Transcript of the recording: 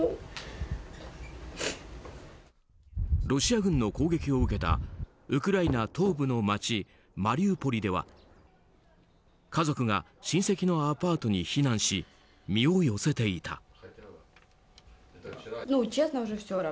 ロシア軍の攻撃を受けたウクライナ東部の街マリウポリでは家族が親戚のアパートに避難し身を寄せていた。